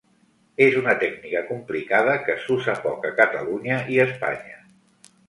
És una tècnica complicada que s'usa poc a Catalunya i Espanya.